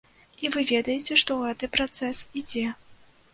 І вы ведаеце, што гэты працэс ідзе.